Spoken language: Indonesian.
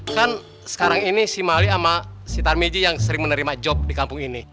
kan sekarang ini si mali sama si tarmiji yang sering menerima job di kampung ini